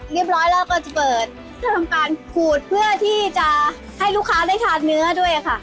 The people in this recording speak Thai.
เรียบร้อยแล้วก็จะเปิดแล้วก็จะทำการขูดเพื่อที่จะให้ลูกค้าได้ทานเนื้อด้วยค่ะ